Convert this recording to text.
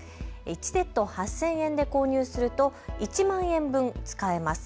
１セット８０００円で購入すると１万円分使えます。